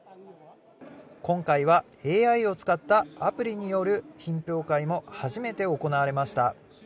今回はＡＩを使ったアプリによる品評会も初めて行われました。